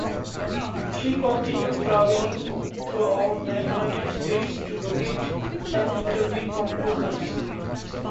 She continued traveling throughout the United States to locate and interview composers.